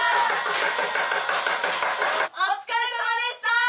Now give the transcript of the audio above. お疲れさまでした！